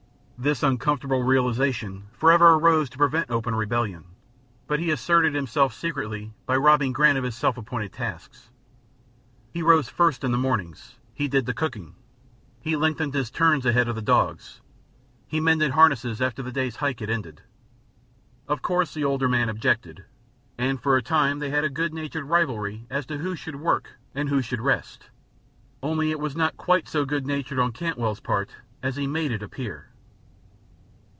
This uncomfortable realization forever arose to prevent open rebellion, but he asserted himself secretly by robbing Grant of his self appointed tasks. He rose first in the mornings, he did the cooking, he lengthened his turns ahead of the dogs, he mended harness after the day's hike had ended. Of course the older man objected, and for a time they had a good natured rivalry as to who should work and who should rest only it was not quite so good natured on Cantwell's part as he made it appear.